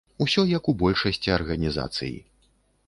Усё як у большасці арганізацый.